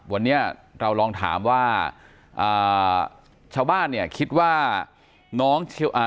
วันนี้เราลองถามว่าอ่าชาวบ้านเนี่ยคิดว่าน้องอ่า